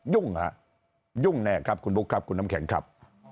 ยุ่งหรือนะครับยุ่งแน่ครับคุณบุ๊คคุณน้ำแข็งครับ